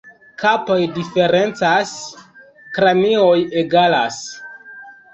Kapoj diferencas, kranioj egalas.